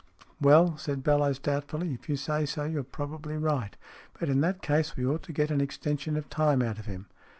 '" Well," said Bellowes, doubtfully, " if you say so you're probably right. But in that case we ought to get an extension of time out of him."